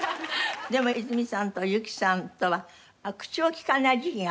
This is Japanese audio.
でも泉さんと雪さんとは口を利かない時期があったんだって？